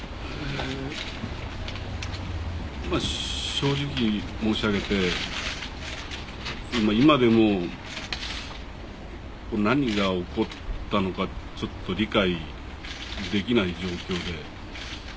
正直申し上げて今でも何が起こったのかちょっと理解できない状況で。